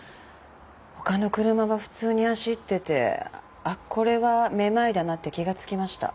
他の車は普通に走っててこれは目まいだなって気が付きました。